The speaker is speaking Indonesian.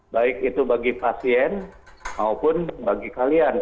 baik itu bagi pasien maupun bagi kalian